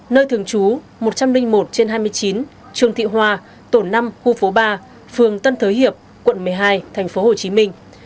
nơi thường trú một trăm linh một trên hai mươi chín trường thị hòa tổ năm khu phố ba phường tân thới hiệp quận một mươi hai thành phố hồ chí minh